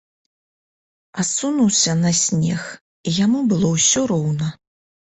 Асунуўся на снег, і яму было ўсё роўна.